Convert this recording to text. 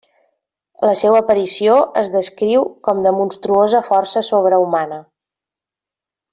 La seua aparició es descriu com de monstruosa força sobrehumana.